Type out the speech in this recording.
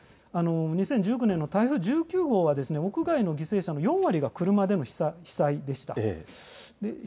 ２０１９年の台風１９号は屋外の犠牲者の４割が車での被災でした。